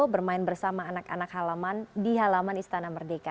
bermain bersama anak anak halaman di halaman istana merdeka